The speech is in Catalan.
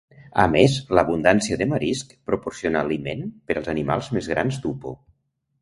A més, l'abundància de marisc proporciona aliment per als animals més grans d'Upo.